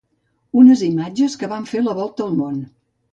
Unes imatges que va fer la volta al món.